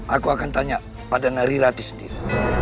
aku akan tanya pada nari rati sendiri